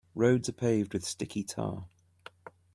Roads are paved with sticky tar.